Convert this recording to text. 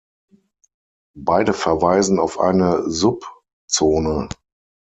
Beide verweisen auf eine Subzone.